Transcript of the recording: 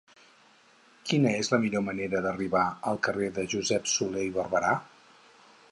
Quina és la millor manera d'arribar al carrer de Josep Solé i Barberà?